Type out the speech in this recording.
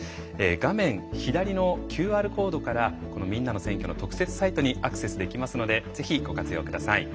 画面左のＱＲコードから「みんなの選挙」の特設サイトにアクセスできますのでぜひ、ご活用ください。